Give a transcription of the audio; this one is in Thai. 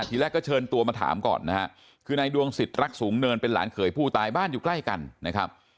ทีแรกก็เชิญตัวมาถามก่อนนะฮะคือนายดวงสิทธิรักสูงเนินเป็นหลานเขยผู้ตายบ้านอยู่ใกล้กันนะครับ